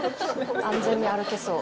安全に歩けそう。